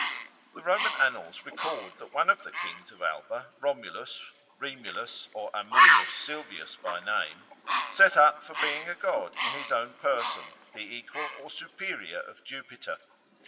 The Roman annals record that one of the kings of Alba, Romulus, Remulus, or Amulius Silvius by name, set up for being a god in his own person, the equal or superior of Jupiter.